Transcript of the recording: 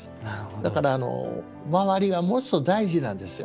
だから回りがものすごい大事なんですよ。